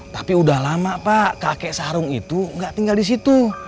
tapi udah lama pak kakek sarung itu nggak tinggal di situ